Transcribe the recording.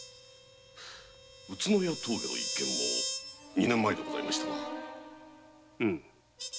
宇都谷峠の一件も二年前でございましたな？